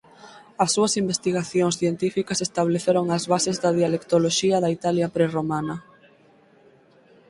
As súas investigacións científicas estableceron as bases da dialectoloxía da Italia prerromana.